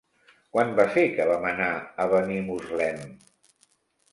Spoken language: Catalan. Quan va ser que vam anar a Benimuslem?